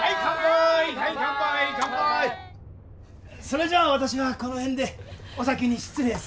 それじゃあ私はこの辺でお先に失礼するよ。